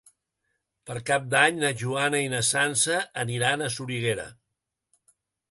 Per Cap d'Any na Joana i na Sança aniran a Soriguera.